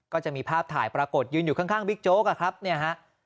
ก็จะมีภาพถ่ายปรากฏยืนอยู่ข้างบิ๊กโจ๊กอะครับเนี่ยฮะ